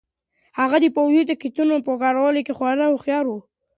هغه د پوځي تکتیکونو په کارولو کې خورا هوښیار و.